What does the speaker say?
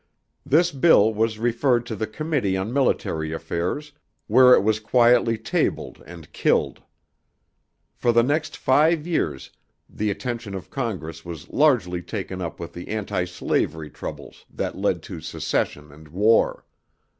This bill was referred to the Committee on Military Affairs where it was quietly tabled and "killed." For the next five years the attention of Congress was largely taken up with the anti slavery troubles that led to secession and war.